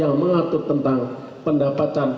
yang mengatur tentang pendapatan